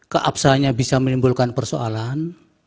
keabsahannya bisa menimbulkan persoalan